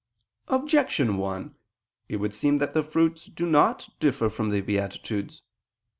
Objection 1: It would seem that the fruits do not differ from the beatitudes.